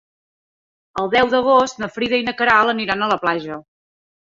El deu d'agost na Frida i na Queralt aniran a la platja.